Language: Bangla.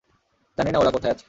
জানি না ওরা কোথায় আছে!